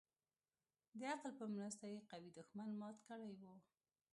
د عقل په مرسته يې قوي دښمن مات كړى و.